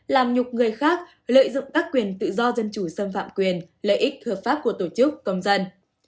làm nhục người khác lợi dụng các quyền tự do dân chủ xâm phạm quyền lợi ích hợp pháp của tổ chức công dân